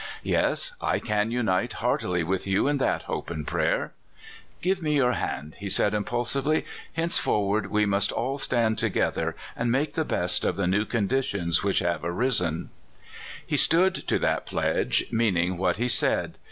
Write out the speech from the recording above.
" Yes ; I can unite heartily with you in that hope and prayer." "Give me your hand," he said impulsively; "henceforward wo must all stand together, and Br. Ekazar Thomas. 139 make the best of the new conditions which have arisen." He stood to that ^^ledge, meaning what he said.